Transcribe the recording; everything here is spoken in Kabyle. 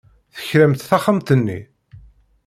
Tekramt taxxamt-nni?